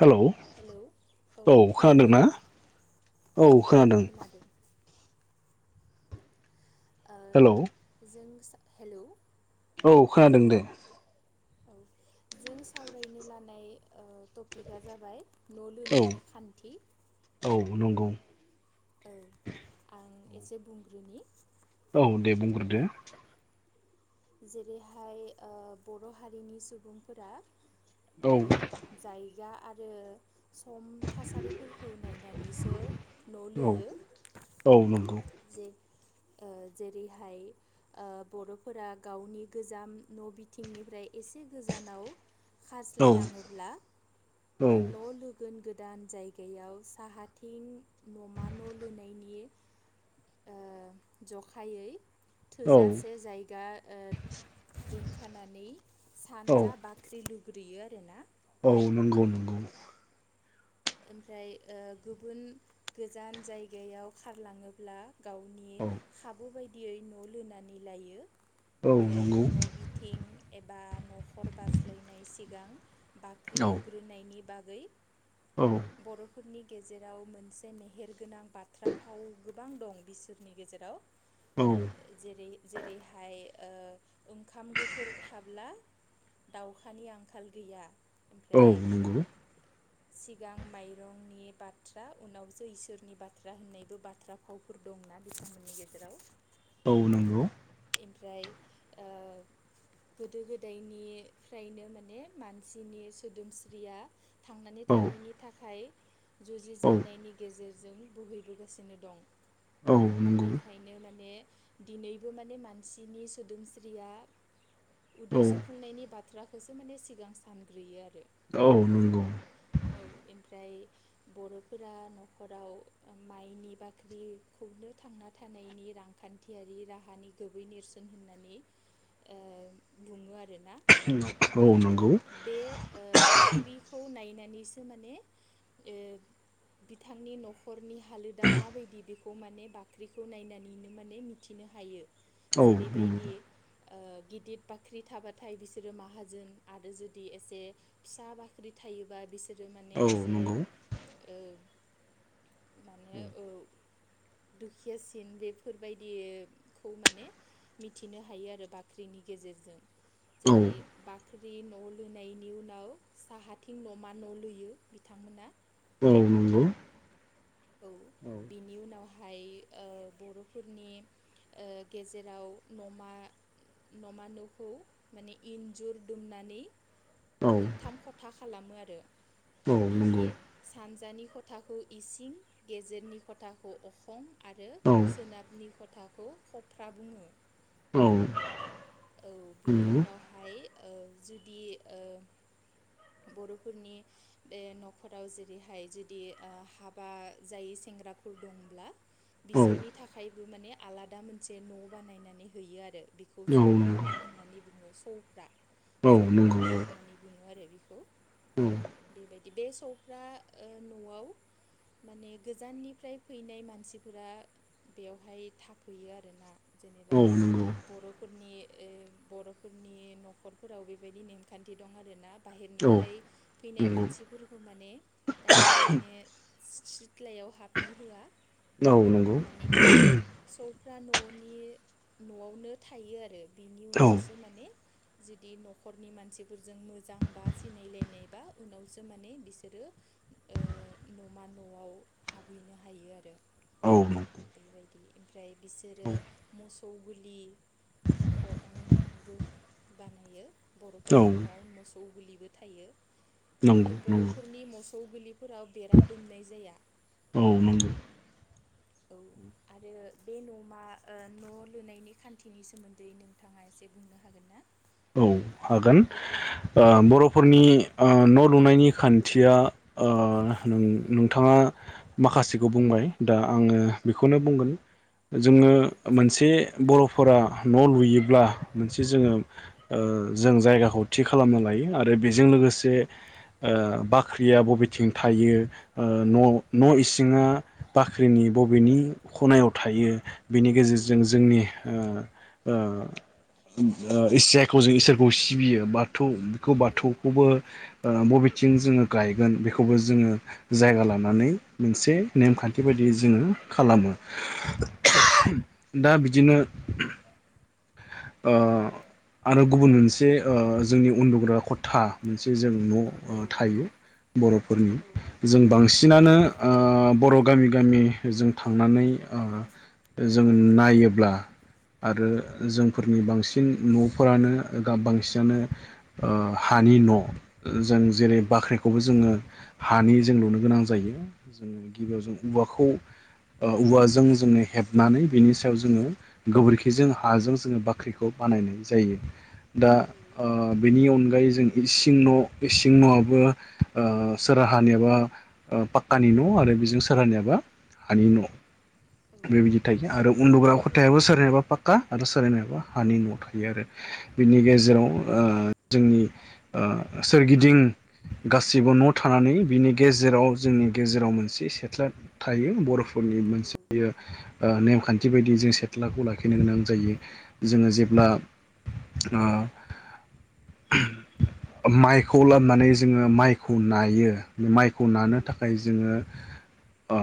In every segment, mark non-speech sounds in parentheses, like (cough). Hello औ खोनादों ना? औ खोनादों। ओ हेलौ जों हेलौ। औ खोनादों दे। औ जों सावरायनो लानाय ओ टपिकआ जाबाय न' औ लुनायनि खान्थि। औ नंगौ। औ आं एसे बुंग्रोनि। औ दे बुंग्रोदो। जेरैहाय ओ बर' हारिनि सुबुंफोरा ओ औ जायगा आरो सम थासारिफोरखौ नायनानैसो न' औ लुयो। औ नंगौ। जे ओ जेरैहाय ओ बर'फोरा गावनि गोजाम न' बिथिंनिफ्राय एसे गोजानाव औ खास्लायलाङोब्ला औ ओ न' लुगोन गोदान जायगायाव साहाथिं न'मा न' लुनायनि ओ जखायै औ थोजासे जायगा ओ दोनखानानै औ सानजा बा ख्रि लुग्रोयो आरोना। औ नंगौ नंगौ। ओमफ्राय ओ गुबुन गोजान जायगायाव खारलाङोब्ला गावनि औ खाबु बायदियै न' लुनानै लायो औ ओमफ्राय नंगौ न' बिथ थिं एबा न'खर बारस्लायनाय सिगां बाख्रि औ लु ग्रोनायनि बागै औ बर'फोरनि गेजेराव मोनसे मेहेरगोनां बाथ्रा फाव गोबां दं बिसोरनि गेजेराव औ जेरै जेरैहाय ओ ओंखाम गोफुर थाब्ला दाउखानि आंखाल गैया। औ ओमफ्राय नंगौ सि गां माइरंनि बाथ्रा उनावसो इसोरनि बाथ्रा होननायबो बाथ्रा फावफोर दं ना बिथांमोननि गेजेराव। औ नंगौ ओमफ्राय ओ गोदो गोदायनिफ्रायनो माने मानसिनि सोदोमस्रिया थांनानै औ थानायनि थाखाय औ जुजिजेनन्नायनि गेजेरजों बोहैबोगासिनो दं। औ आ नंगौ बेखायनो माने दिनैबो माने मानसिनि सोदोमस्रिया उदै औ सुफुंनायनि बाथ्रा खौसो माने सिगां सानग्रोयो आरो। औ नंगौ औ एमफ्राय बर'फोरा न'खराव माइनि बाख्रिखौनो थांना थानायनि रां खान्थियारि राहानि गुबै नेर्सोन होननानै ओ बुङो आरोना। औ ओ नंगौ औ नंगौ बे ओ बाख्रिखौ नायनानैसो माने ओ बिथांनि न'खरनि हालोदा माबायदि बे खौ माने बाख्रिखौ नायनानैनो माने मिथिनो हायो जेरैबायदि ओ गिदिर बाख्रि थाबाथाय बिसोरो माहाजोन आरो जुदि एसे फिसा बाख्रि थायोबा बिसोरो माने एसे ओ माने औ दुखियासिन बेफोरबायदि खौ माने मिथिनो हायो आरो बाख्रिनि गेजेरजों। औ जेरै बाख्रि न' लुनायनि उनाव साहाथिं न'मा न' लुयो। बिथांमोना औ नंगौ औ बिनि उनावहाय ओ बर'फोरनि ओ गेजेराव न'मा न'मा न'खौ माने इन्जुर दुमनानै औ मोनथाम खथा खालामो आरो औ बिनि नंगौ सानजानि खथाखौ इसिं, गेजेरनि खथाखौ अखं आरो औ सोनाबनि खथाखौ खफ्रा बुङो। औ औ बिनि उनावहाय औ जुदि ओ बर'फोरनि बे न'खराव जेरैहाय जुदि ओ हाबा जायै सेंग्राफोर दंब्ला औ बिसोरनि थाखायबो माने आलादा मोनसे न' बानायनानै होयो आरो बिखौ औ सफ्रा नंगौ न' होननानै बुङो सौफ्रा। औ सौफ्रा नंगौ न' होननानै बुङो आरो बेखौ। औ बेबायदि बे सौफ्रा ओ न'आव माने गोजाननिफ्राय फैनाय मानसिफोरा बेयावहाय थाफैयो आरोना जेनेबा औ नंगौ बर'फोरनि ओ बर'फोरनि न'खरफोराव बेबायदि नेमखान्थि दं आरोना। औ बाहेरनिफ्राय फैनाय नंगौ मानसि फोरखौ माने डाइरेक्ट माने सिथ्लायाव हाबनो होआ। औ नंगौ माने बे सौफ्रा न'नि न'आवनो थायो आरो। बिनि औ उनावसो माने जुदि न'खरनि मानसिफोरजों मोजां बा सिनायलायनाय बा उनावसो माने बिसोरो ओ न'मा न'आव हाबहैनो हायो आरो। औ नोंगौ बेबायदि ओमफ्राय बिसोरो मोसौ गलि नखरबो बानायो बर'फोरनि न'आव मोसौ मोसौ गोरलिबो थायो नंगौ खिन्थु नंगौ बर'फोरनि मोसौ गलि फोराव बेरा दुमनाय जाया। औ नंगौ औ आरो बे न'मा न' लुनायनि खान्थिनि सोमोन्दै नोंथाङा एसे बुंनो हागोन ना? औ हागोन बर'फोरनि न' लुनायनि खान्थिया ओ नोंथाङा माखासेखौ बुंबाय दा आङो बेखौनो बुंगोन जोङो औ मोनसे बर'फोरा न' लुयोब्ला मोनसे जोङो जों जायगाखौ थि खालामना लायो आरो बेजों लोगोसे औ बाख्रिया बबेथिं थायो न' न' इसिङा बाख्रिनि बबेनि खनायाव थायो बिनि औ गेजेरजों जोंनि ओ ओ इसोर खौ जों इसोरखौ सिबियो बाथौ बेखौ बाथौखौबो बबेथिं जोङो गायगोन बेखौबो जोङो जायगा लानानै मोनसे औ नेमखान्थि बायदि बिदि जोङो खालामो दा बिदिनो ओ आरो गुबुन मोनसे जोंनि उन्दुग्रा खथा मोनसे जों औ न' थायो औ बर'फोरनि औ जों बांसिनानो ओ बर' गामि गामि जों थांनानै ओ जों नायोब्ला आरो जों औ फोरनि बांसिन न'फोरानो गाब बांसिनानो हानि न' जों जेरै बाख्रिखौबो जोङो हानि जों लुनो गोनां जायो जोङो गिबियाव जों औवाखौ औवाजों जोङो हेबनानै बिनि सायाव जोङो गोबोरखिजों हाजों जोङो बाख्रिखौ बानायनाय जायो दा बेनि अनगायै जों इसिं न' इसिं न'आबो सोराहानियाबा पाक्कानि न' आरो बेजों सोरहानियाबा हानि न' बेबायदि थायो आरो उन्दुग्रा खथायाबो सोरनिबा पाक्का आरो सोर ओरैनोबा हानि न'आव थायो आरो बिनि गेजेराव ओ जोंनि ओ सोरगिदिं गासैबो न' थानानै बिनि गेजेराव जोंनि गेजेराव मोनसे सेथ्ला थायो बर'फोरनि मोनसे बेयो ओ नेमखान्थि बायदि जों सिथ्लाखौ लाखिनो गोनां जायो। जोङो जेब्ला ओ ओ माइखौ लाबोनानै जोङो माइखौ नायो। माइखौ नानो थाखाय जोङो ओ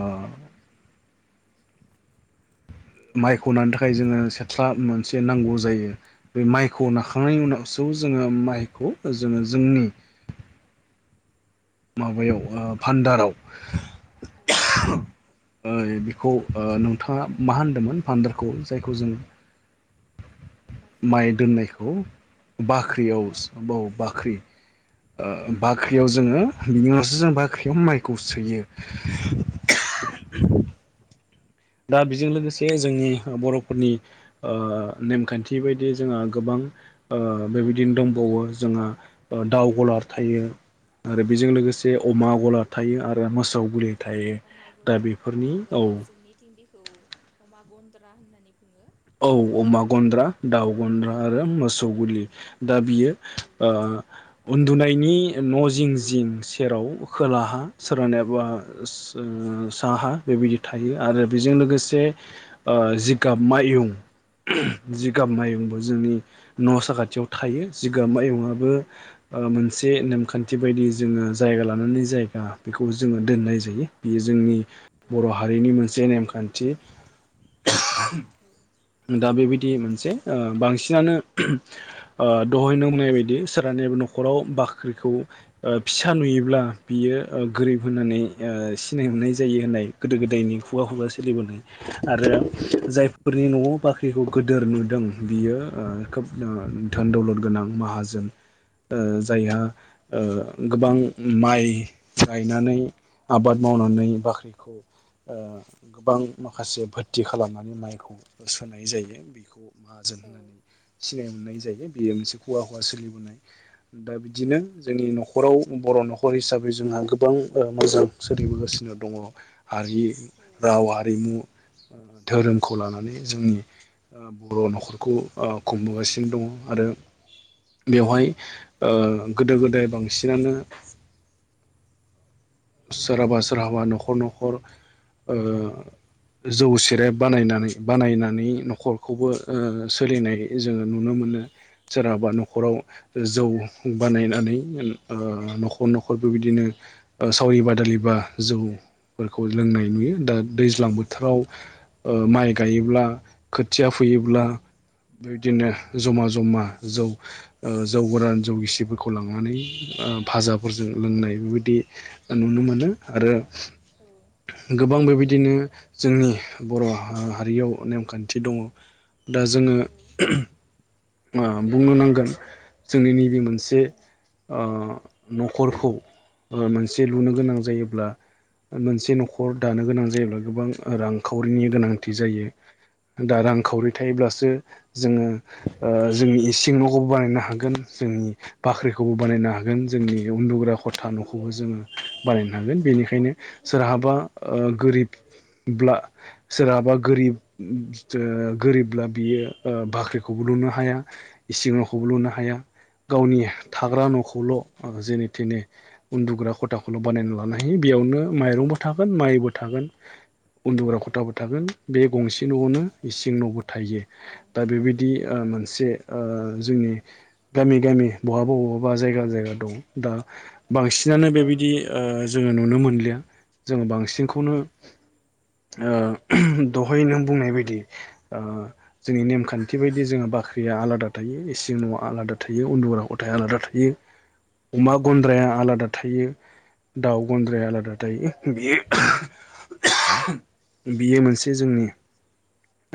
माइखौ नानो थाखाय जोंनो सेथ्ला मोनसे नांगौ जायो बे माइखौ नाखांनायनि उनाव ओ जोङो माइखौ जोङो जोंनि माबायाव ओ फान्दाराव औ। ओइ बिखौ ओ नोंथाङा मा होनदोंमोन फान्दारखौ जायखौ जोंङो बाख्रि माइ दोननायखौ बाख्रि बाख्रियाव (unintelligible) औ बाख्रि ओ बाख्रियाव जोङो बिनि उनावसो जों बाख्रियाव माइखौ सोयो। औ दा बेजों लोगोसे जोंनि बर'फोरनि ओ नेमखान्थि बायदियै जोंहा गोबां ओ बेबायदिनो दंबावो जोंहा ओ दाउ गलार थायो। आरो औ बेजों लोगोसे अमा गला थायो आरो मोसौ गलि औ अमा गलार-अमा गलार जोंनिथिं बिखौ अमा गन्द्रा होननानै बुङो। औ अमा गन्द्रा, दाउ गन्द्रा औ आरो मोसौ गुलि। दा बियो औ ओ उन्दुनायनि न' जिं-जिं सेराव खोलाहा सोरहानियाबा जों साहा बेबायदि थायो आरो बेजों ओ लोगोसे जिगाब मायुं औ जिगाब मायुंबो जोंनि न' साखाथियाव थायो जिगाब मायुंआबो औ ओ मोनसे नेमखान्थि बायदियै जोङो जायगा लानानै जायगा बेखौ जोङो दोननाय जायो। बेयो जोंनि बर' हारिनि मोनसे नेमखान्थि। दा बेबायदि मोनसे ओ बांसिनानो ओ दहोय नों बुंनाय बायदि सोरहानिबा न'खराव बाख्रिखौ ओ फिसा नुयोब्ला बियो ओ गोरिब होननानै ओ सिनायहरनाय जायो होननाय गोदो-गोदायनि खुगा-खुगा सोलिबोनाय आरो जायफोरनि न'आव बाख्रिखौ गोदोर नुदों बियो ओ खोब ओ धोन-दौलद गोनां माहाजोन ओ जायहा ओ गोबां माइ गायनानै आबाद मावनानै बाख्रिखौ ओ गोबां माखासे भोरथि खालामनानै माइखौ सोनाय जायो बेखौ माहाजोन होननानै सिनाय मोननाय जायो बेयो मोनसे खुगा-खुगा सोलिबोनाय (unintelligible) दा बिदिनो जोंनि न'खराव बर' न'खर हिसाबै जोंहा गोबां ओ मोजां सोलिबोगासिनो दङ। हारि, राव, हारिमु, धोरोमखौ लानानै जोंनि ओ बर' न'खरखौ ओ खुंबोगासिनो दङ आरो बेवहाय ओ गोदो-गोदाय बांसिनानो सोरहाबा-सोरहाबा न'खर-न'खर ओ जौ-सेरेब बानायनानै बानायनानै न'खरखौबो ओ सोलिनाय जोङो नुनो मोनो। सोरहाबा न'खराव जौ बानायनानै ओ न'खर-न'खर बेबायदिनो ओ सावरि बादालि बा जौफोरखौ लोंनाय नुयो, दा दैज्लां बोथोराव ओ माइ गायोब्ला खोथिया फुयोब्ला बिबदिनो जमा जमा जौ ओ जौ गोरान जौ गिसिफोरखौ लांनानै ओ फाजाफोरजों लोंनाय बेबायदि नुनो मोनो आरो गोबां बेबायदिनो जोंनि बर' हा हारियाव नेमखान्थि दङ दा जोङो मा बुंनो नांगोन जोंनि नैबे मोनसे ओ न'खरखौ ओ मोनसे लुनो गोनां जायोब्ला मोनसे न'खर दानो गोनां जायोब्ला गोबां रांखावरिनि गोनांथि जायो। दा रां-खावरि थायोब्लासो जोङो ओ जोंनि इसिं न'खौबो बानायनो हागोन जोंनि बाख्रिखौबो बानायनो हागोन जोंनि उन्दुग्रा खथा न'खौबो जोङो बानायनो हागोन बेनिखायनो सोरहाबा ओ गोरिब ब्ला सोरहाबा गोरिब ओ गोरिबब्ला बियो ओ बाख्रिखौबो लुनो हाया इसिं न'खौबो लुनो हाया। गावनि थाग्रा न'खौल' जेने थेने उन्दुग्रा खथाखौल' बानायना लानो हायो। बेयावनो माइरंबो थागोन माइबो थागोन। उन्दुग्रा खथाबो थागोन बे गंसे न'आवनो इसिं न'बो थायो। औ बेबादि ओ मोनसे ओ जोंनि गामि गामि बहाबा बहाबा जायगा जायगा दं दा। बांसिनानो बेबायदि ओ जोङो नुनो मोनलिया जोङो बांसिनखौनो ओ दहाय नों बुंनाय बायदि ओ जोंनि नेमखान्थि बायदि जोङो बाख्रि या आलादा थायो, इसिं न'आ आलादा थायो, उन्दुग्रा खथाया आलादा थायो। अमा गन्द्राया आलादा थायो, दाउ गन्द्राया आलादा थायो। बेयो बियो मोनसे जोंनि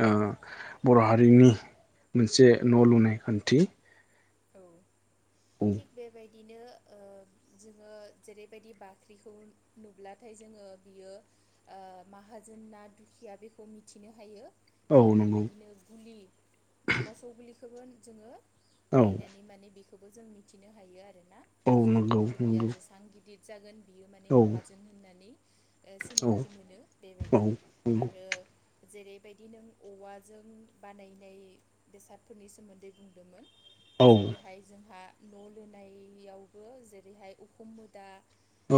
ओ बर' हारिनि जे न' लुनाय खान्थि औ, औ थिग बेबायदिनो ओ जोङो जेरैबायदि बाख्रिखौ नुब्लाथाय जोङो बियो ओ माहाजोन ना दुखिया बेखौ मिथिनो हायो। औ थिग नंगौ बेबायदिनो गुलि मोसौ गुलिखोबो जोङो औ नायनानै माने बेखौबो जों मिथिनो हायो आरोना। औ मोसौ नंगौ गुलिया नंगौ जेसां गिदिद जागोन बियो माने औ माहाजोन होननानै ओ औ सिनायथि मोनो औ बेबायदि नंगौ आरो जेरैबायदि नों औवाजों बानायनाय बेसादफोरनि सोमोन्दै बुंदोमोन औ जेरैहाय जोंहा न' लुनायावबो जेरैहाय अखुम मुदा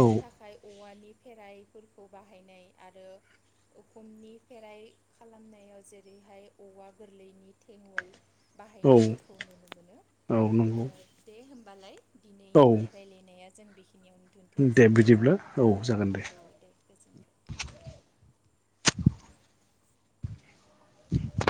औ नि थाखाय औवानि फेराइफोरखौ बाहायनाय आरो उखुमनि फेराइ खालामनायाव जेरैहाय औवा गोरलैनि थेंअल औ बाहायनायफोरखौ नुनो मोनो। औ ओ नंगौ। दे होमबालाय औ दिनैनि रायलायनाया जों बेखिनियाव दे बिदिब्ला औ जागोन दे। औ दे गोजोनथों।